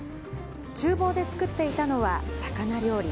ちゅう房で作っていたのは魚料理。